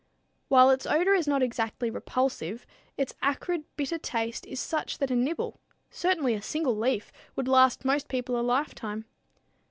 While its odor is not exactly repulsive, its acrid, bitter taste is such that a nibble, certainly a single leaf, would last most people a lifetime.